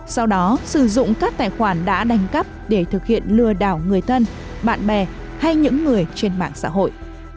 sau đó sử dụng các tài khoản đã đánh cắp để thực hiện lừa đảo người thân bạn bè hay những người trên mạng xã hội